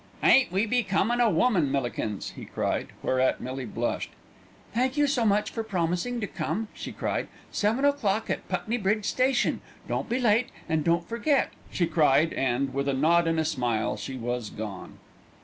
"Ain't we becomin' a woman, Millikins!" he cried, whereat Millie blushed. "Thank you so much for promising to come," she cried. "Seven o'clock at Putney Bridge Station. Don't be late, and don't forget," she cried and, with a nod and a smile, she was gone.